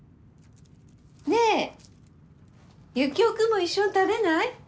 ねえユキオ君も一緒に食べない？